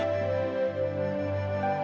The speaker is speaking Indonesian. ini yang harus diberikan pak